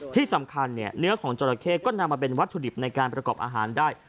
ที่สำคัญเนื้อของจราเข้ก็นำมาเป็นวัตถุดิบในการประกอบอาหารได้